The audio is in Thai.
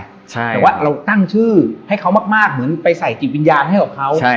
แต่ว่าเราตั้งชื่อให้เขามากเหมือนไปใส่จิตวิญญาณให้กับเขา